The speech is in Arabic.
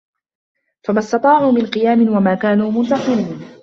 فَمَا استَطاعوا مِن قِيامٍ وَما كانوا مُنتَصِرينَ